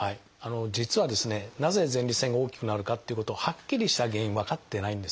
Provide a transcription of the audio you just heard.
実はですねなぜ前立腺が大きくなるかっていうことはっきりした原因分かってないんですね。